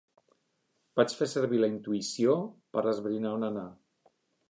Vaig fer servir la intuïció per esbrinar on anar.